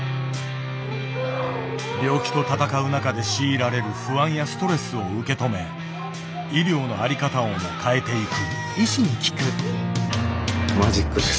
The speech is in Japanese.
病気と闘う中で強いられる不安やストレスを受け止め医療のありかたをも変えていく。